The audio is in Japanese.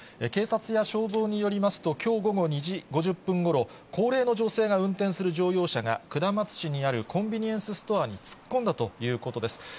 警察や消防によりますと、きょう午後２時５０分ごろ、高齢の女性が運転する乗用車が、下松市にあるコンビニエンスストアに突っ込んだということです。